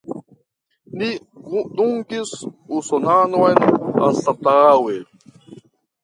Ni dungis usonanon anstataŭe.